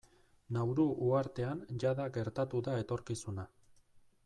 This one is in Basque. Nauru uhartean jada gertatu da etorkizuna.